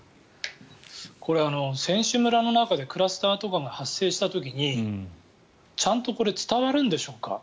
これ、選手村の中でクラスターとかが発生した時にちゃんと伝わるんでしょうか？